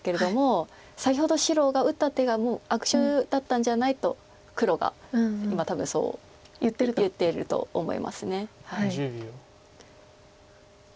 先ほど白が打った手がもう悪手だったんじゃない？と黒が今多分そう言ってると思います。